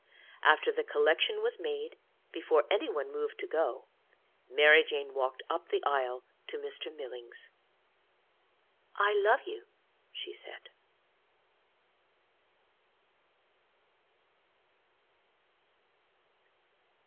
After the collection was made, before anyone moved to go, Mary Jane walked up the aisle to Mr. Millings. 'I love you,' she said.